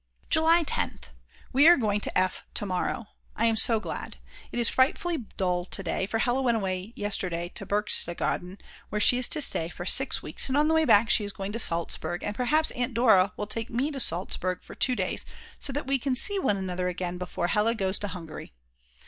July 10th. We are going to F. to morrow; I am so glad. It is frightfully dull to day, for Hella went away yesterday to Berchtesgaden where she is to stay for 6 weeks, and on the way back she is going to Salzburg and perhaps Aunt Dora will take me to Salzburg for 2 days so that we can see one another again before Hella goes to Hungary.